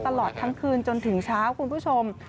ตลอดทั้งคืนจนถึงเช้าคุณผู้ชม